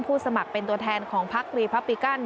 สมัครเป็นตัวแทนของพักรีพับปิกัน